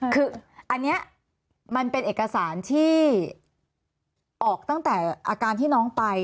คืออันนี้มันเป็นเอกสารที่ออกตั้งแต่อาการที่น้องไป